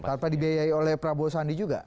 tanpa dibiayai oleh prabowo sandi juga